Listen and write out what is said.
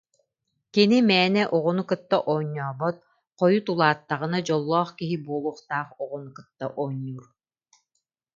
Кини мээнэ oҕoну кытта оонньообот, хойут улааттаҕына дьоллоох киһи буолуохтаах oҕoнy кытта оонньуур